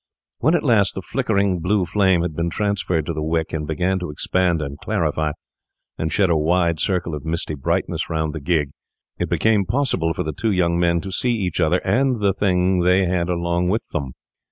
When at last the flickering blue flame had been transferred to the wick and began to expand and clarify, and shed a wide circle of misty brightness round the gig, it became possible for the two young men to see each other and the thing they had along with them.